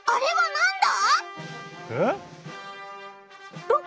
なんだ？